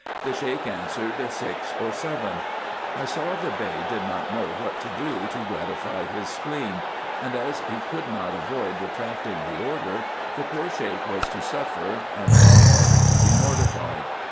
The Sheik answered six or seven. I saw the Bey did not know what to do to gratify his spleen ; and, as he could not avoid retracting the order, the poor Sheik was to suffer, and our party to be mortified.